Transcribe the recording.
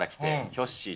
ヒョッシー。